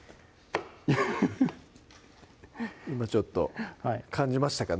今ちょっと感じましたか？